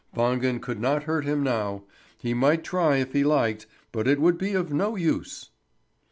Wangen could not hurt him now; he might try if he liked, but it would be of no use!